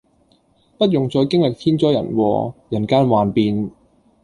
不用再經歷天災人禍，人間幻變